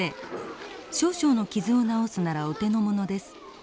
少々の傷を直すならお手のものです。